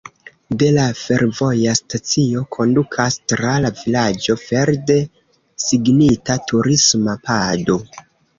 De la fervoja stacio kondukas tra la vilaĝo verde signita turisma pado.